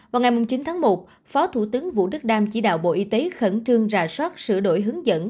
vào ngày chín tháng một phó thủ tướng vũ đức đam chỉ đạo bộ y tế khẩn trương rà soát sửa đổi hướng dẫn